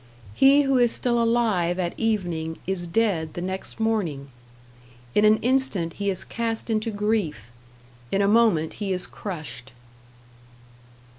He who is still alive at evening is dead the next morning. In an instant he is cast into grief, in a moment he is crushed.